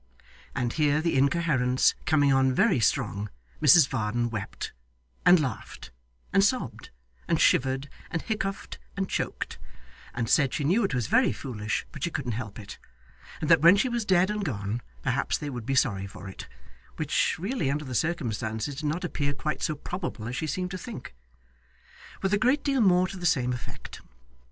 And here the incoherence coming on very strong, Mrs Varden wept, and laughed, and sobbed, and shivered, and hiccoughed, and choked; and said she knew it was very foolish but she couldn't help it; and that when she was dead and gone, perhaps they would be sorry for it which really under the circumstances did not appear quite so probable as she seemed to think with a great deal more to the same effect.